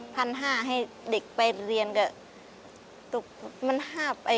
๑๕๐๐บาทให้เด็กไปเรียนกับ